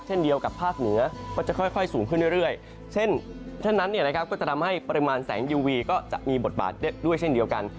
เช่นเดียวกับภาคเหนือก็จะค่อยสูงขึ้นเรื่อยเช่นนั้นเนี่ยนะครับก็จะทำให้ปริมาณแสงยูวีก็จะมีบทบาทด้วยเช่นเดียวกัน